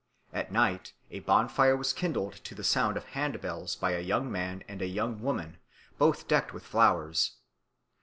At night a bonfire was kindled to the sound of hand bells by a young man and a young woman, both decked with flowers.